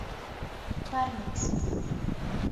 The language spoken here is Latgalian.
Parniks.